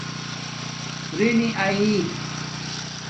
رئ نی آئئ